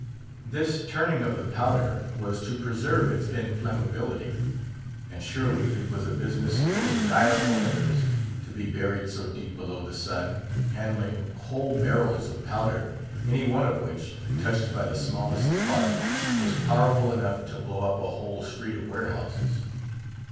This turning of the powder was to preserve its inflammability. And surely it was a business full of direful interest, to be buried so deep below the sun, handling whole barrels of powder, any one of which, touched by the smallest spark, was powerful enough to blow up a whole street of warehouses.